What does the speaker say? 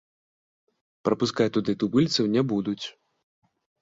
Прапускаць туды тубыльцаў не будуць.